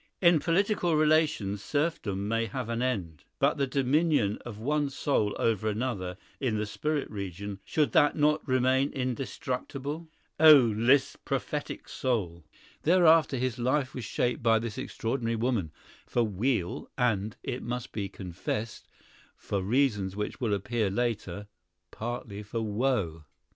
In political relations serfdom may have an end; but the dominion of one soul over another in the spirit region—should that not remain indestructible?"—Oh, Liszt's prophetic soul! Thereafter his life was shaped by this extraordinary woman, for weal and, it must be confessed, for reasons which will appear later, partly for woe.